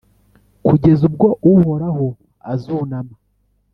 kugeza ubwo Uhoraho azunama,